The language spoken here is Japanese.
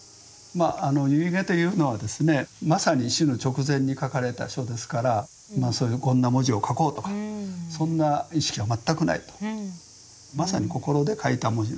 遺偈というのはですねまさに死の直前に書かれた書ですからこんな文字を書こうとかそんな意識は全くないと。